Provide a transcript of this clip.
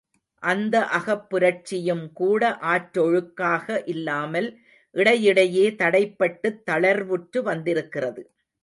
அந்த அகப்புரட்சியும்கூட ஆற்றொழுக்காக இல்லாமல் இடையிடையே தடைப்பட்டுத் தளர்வுற்று வந்திருக்கிறது.